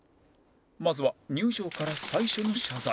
まずは入場から最初の謝罪